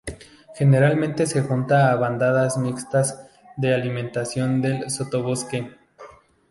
Generalmente se junta a bandadas mixtas de alimentación del sotobosque.